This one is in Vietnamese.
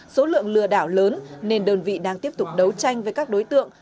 số lượng lừa đảo lớn nên đơn vị đang tiếp tục đấu tranh với các đối tượng